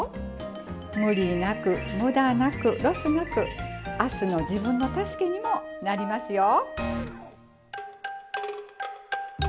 無理なく無駄なくロスなく明日の自分の助けにもなりますよ。